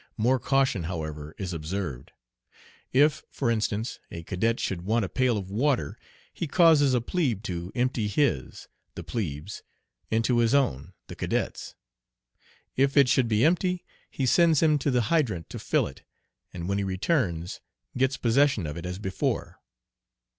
More caution, however, is observed. If, for instance, a cadet should want a pail of water, he causes a plebe to empty his (the plebe's) into his own (the cadet's). If it should be empty, he sends him to the hydrant to fill it, and, when he returns, gets possession of it as before.